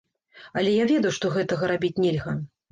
Але я ведаў, што гэтага рабіць нельга.